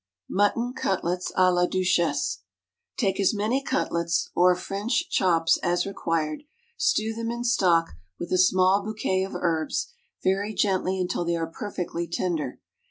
Mutton Cutlets à la Duchesse. Take as many cutlets (or French chops) as required. Stew them in stock, with a small bouquet of herbs, very gently until they are perfectly tender.